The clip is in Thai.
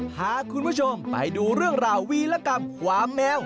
พาคุณผู้ชมไปดูเรื่องราววีรกรรมความแมว